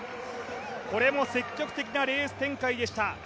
これも積極的なレース展開でした。